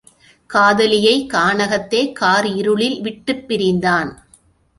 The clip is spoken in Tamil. காதலியைக் கானகத்தே காரிருளில் விட்டுப் பிரிந்தான்.